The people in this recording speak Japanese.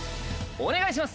お願いします。